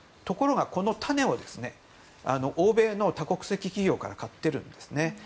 ところが、この種を欧米の多国籍企業から買っているんですね。